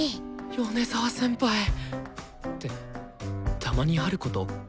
米沢先輩！ってたまにあること？